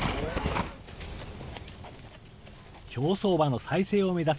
競走馬の再生を目指す